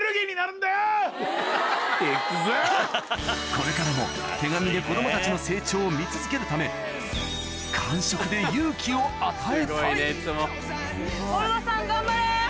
これからも手紙で子供たちの成長を見続けるため完食で勇気を与えたいゴルゴさん頑張れ！